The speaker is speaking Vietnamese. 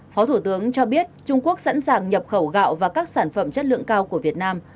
phó thủ tướng cho biết trung quốc sẵn sàng nhập khẩu gạo và các sản phẩm chất lượng cao của việt nam